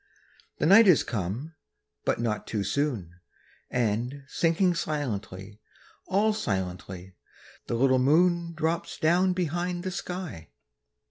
The night is come, but not too soon; And sinking silently, All silently, the little moon Drops down behind the sky.